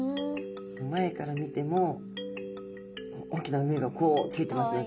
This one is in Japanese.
前から見ても大きな目がこうついてますので。